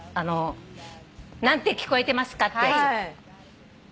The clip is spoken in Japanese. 何て聞こえてますかってやつ。